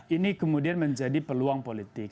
ini kemudian menjadi peluang politik